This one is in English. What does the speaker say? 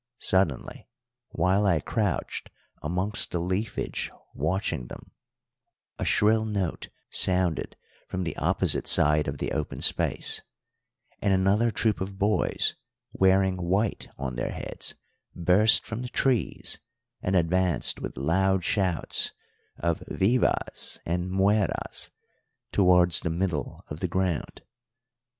Suddenly, while I crouched amongst the leafage watching them, a shrill note sounded from the opposite side of the open space, and another troop of boys wearing white on their heads burst from the trees and advanced with loud shouts of vivas and mueras towards the middle of the ground.